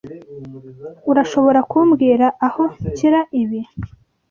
Urashobora kumbwira aho nshyira ibi?